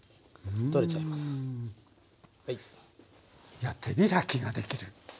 いや手開きができるね。